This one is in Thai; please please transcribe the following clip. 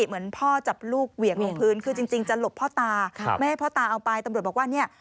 ไม่ให้พ่อตาเอาไปตำรวจบอกว่าเนี่ย